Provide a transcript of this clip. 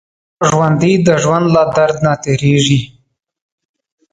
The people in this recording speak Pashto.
ژوندي د ژوند له درد نه تېرېږي